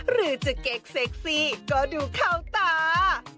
หรือจะเก๊กเซ็กซี่ก็ดูเข้าตา